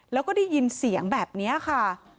แล้วก็ได้ยินเสียงแบบนี้ค่ะ